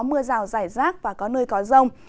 mưa rào rải rác và có nơi có rông